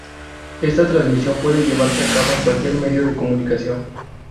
Esta transmisión puede llevarse a cabo en cualquier medio de comunicación.